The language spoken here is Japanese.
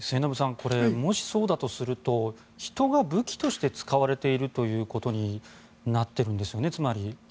これ、もしそうだとすると人が武器として使われているということになっているんですよね。